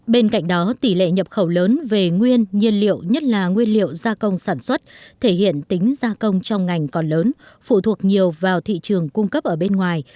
bên cạnh đó tỷ lệ nhập khẩu lớn về nguyên nhiên liệu nhất là nguyên liệu gia công sản xuất thể hiện tính gia công trong ngành còn lớn phụ thuộc nhiều vào thị trường cung cấp ở bên ngoài